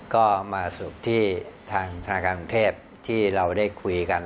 ก็มาสรุปที่ทางธนาคารกรุงเทพที่เราได้คุยกัน